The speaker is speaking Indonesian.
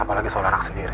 apalagi soal anak sendiri